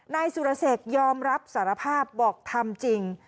นายสุรเสกยอมรับสารภาพบอกทำจริง